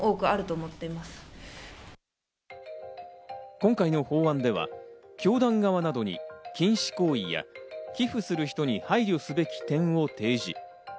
今回の法案では、教団側などに禁止行為や、寄付する人に配慮すべき点を提示。